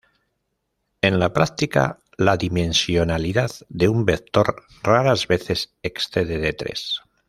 En la práctica, la dimensionalidad de un vector raras veces excede de tres.